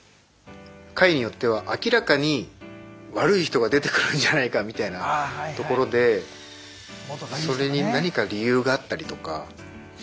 回によっては明らかに悪い人が出てくるんじゃないかみたいなところでそれに何か理由があったりとか。